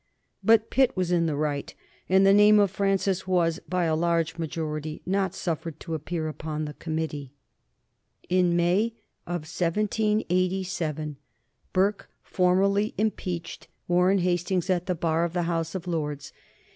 But Pitt was in the right, and the name of Francis was, by a large majority, not suffered to appear upon the committee. [Sidenote: 1787 The impeachment trial] In the May of 1787 Burke formally impeached Warren Hastings at the Bar of the House of Lords.